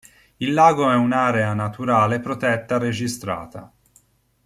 Il lago è un'area naturale protetta registrata.